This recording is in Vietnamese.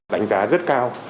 đánh giá rất cao